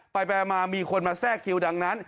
ไปมามีคนมาแทรกคิวดังนั้น